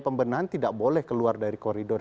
pembenahan tidak boleh keluar dari koridor